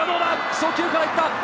初球から行った！